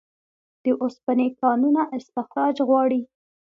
د اوسپنې کانونه استخراج غواړي